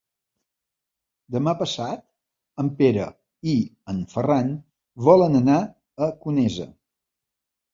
Demà passat en Pere i en Ferran volen anar a Conesa.